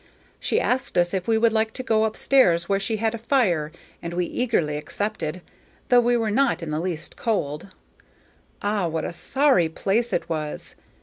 She asked us if we would like to go up stairs where she had a fire, and we eagerly accepted, though we were not in the least cold. Ah, what a sorry place it was!